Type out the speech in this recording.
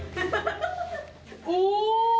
お！